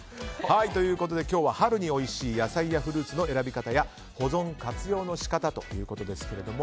今日は春においしい野菜やフルーツの選び方や保存・活用の仕方ということですけれども。